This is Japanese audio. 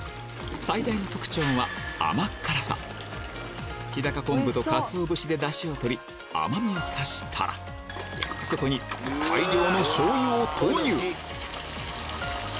最大の特徴は日高昆布とかつお節で出汁を取り甘みを足したらそこに大量のしょうゆを投入！